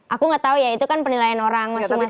aku nggak tahu ya itu kan penilaian orang masing masing